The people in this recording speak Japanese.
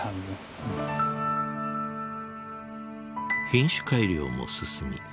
品種改良も進み